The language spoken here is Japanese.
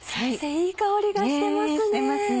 いい香りがしてますね。